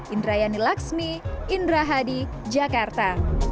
indrayani laksmi indra hadi jakarta